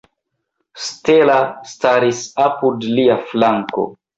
Stella staris apud lia flanko.